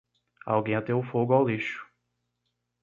Alguém ateou fogo ao lixo.